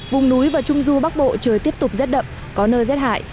vùng núi và trung du bắc bộ trời tiếp tục rét đậm có nơi rét hại